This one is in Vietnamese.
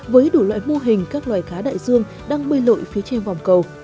với đủ loại mô hình các loài cá đại dương đang bơi lội phía trên vòng cầu